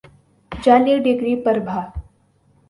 جعلی ڈگری پر بھا